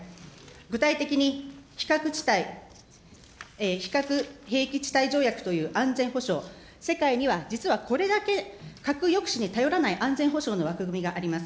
具体的に、非核地帯、非核兵器地帯条約という安全保障、世界には実はこれだけ核抑止に頼らない、安全保障の枠組みがあります。